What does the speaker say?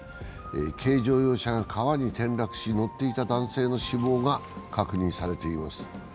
軽乗用車が川に転落し、乗っていた男性の死亡が確認されています。